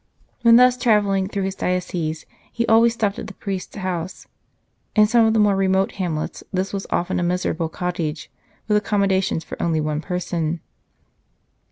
When thus travelling through his diocese, he always stopped at the priest s house. In some of the more remote hamlets, that was often a miserable cottage, with accommodation for only one person.